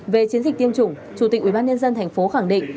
về chiến dịch tiêm chủng chủ tịch ubnd thành phố khẳng định